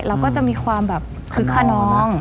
เราก็จะมีความแบบคึกคาน้อง